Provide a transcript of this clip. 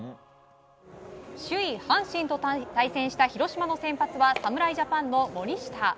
首位、阪神と対戦した広島の先発は侍ジャパンの森下。